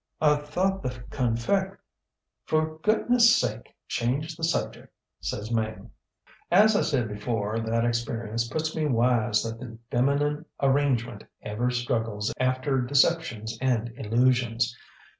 ŌĆÖ ŌĆ£ŌĆśI thought the confectŌĆöŌĆÖ ŌĆ£ŌĆśFor goodnessŌĆÖ sake, change the subject, ŌĆÖ says Mame. ŌĆ£As I said before, that experience puts me wise that the feminine arrangement ever struggles after deceptions and illusions.